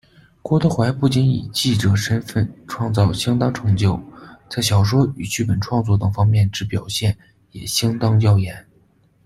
郭德怀不仅以记者身分创造相当成就，在小说与剧本创作等方面之表现也相当耀眼。